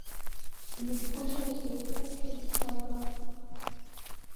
Le projet ne se concrétisera pas.